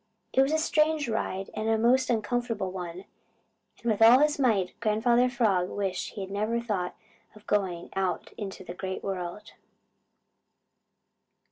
It was a strange ride and a most uncomfortable one, and with all his might Grandfather Frog wished he had never thought of going out into the Great World.